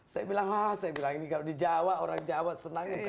saya bilang ini kalau di jawa orang jawa senangnya